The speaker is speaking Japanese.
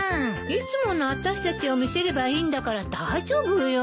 いつものあたしたちを見せればいいんだから大丈夫よ。